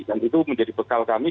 dan kami akan berkomunikasi dengan ahli